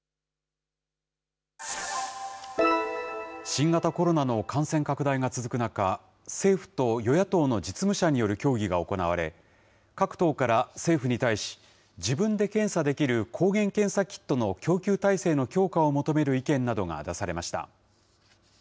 新型コロナの感染拡大が続く中、政府と与野党の実務者による協議が行われ、各党から政府に対し、自分で検査できる抗原検査キットの供給体制の強化を求める意見などが出されました。